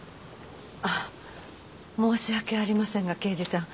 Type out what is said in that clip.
あっ申し訳ありませんが刑事さん。